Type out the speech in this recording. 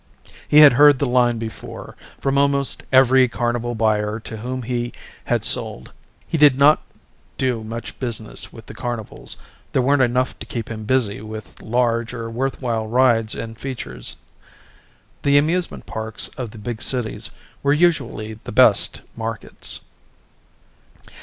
He had heard the line before, from almost every carnival buyer to whom he had sold. He did not do much business with the carnivals; there weren't enough to keep him busy with large or worthwhile rides and features. The amusement parks of the big cities were usually the best markets.